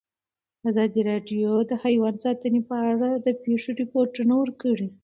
ازادي راډیو د حیوان ساتنه په اړه د پېښو رپوټونه ورکړي.